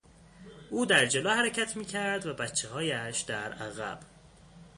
او در جلو حرکت میکرد و بچههایش در عقب.